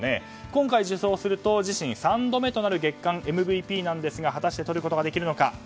今回、受賞すると自身３度目の月間ＭＶＰですが果たして、とることができるのか。